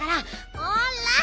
ほら！